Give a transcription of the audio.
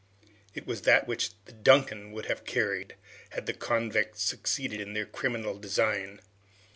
It was that which the "Duncan" would have carried, had the convicts succeeded in their criminal design!